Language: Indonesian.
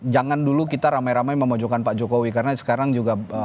jangan dulu kita ramai ramai memojokkan pak jokowi karena sekarang juga